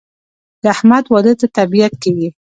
د احمد واده ته طبیعت کېږي.